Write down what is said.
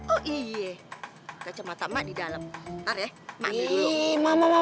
oh iye kacamata emak di dalem ntar ya emak ambil dulu